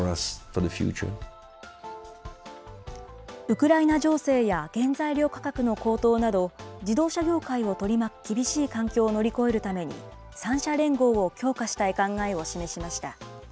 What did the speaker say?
ウクライナ情勢や原材料価格の高騰など、自動車業界を取り巻く厳しい環境を乗り越えるために、３社連合を強化したい考えを示しました。